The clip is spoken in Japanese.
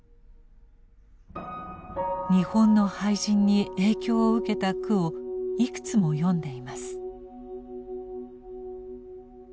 日本の俳人に影響を受けた句をいくつも詠んでいます。